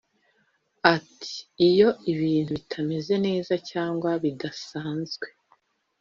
Ati”Iyo ibintu bitameze neza cyangwa bidasanzwe